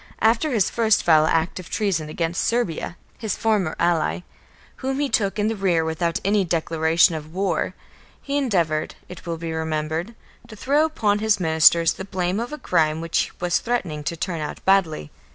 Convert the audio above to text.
After his first foul act of treason against Serbia, his former ally, whom he took in the rear without any declaration of war, he endeavoured, it will be remembered, to throw upon his ministers the blame of a crime which was threatening to turn out badly.